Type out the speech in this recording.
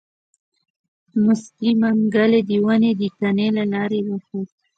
موسکی منګلی د ونې د تنې له لارې وخوت.